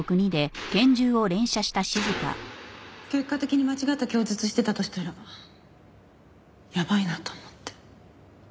結果的に間違った供述してたとしたらやばいなと思って。